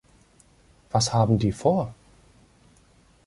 Was haben die vor?